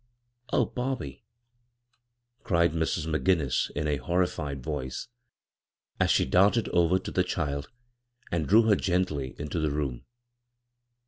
" Oh, Bobby I " cried Mrs. McGinnis in a horrified voice, as she darted over to the child and drew her g^itly into the room.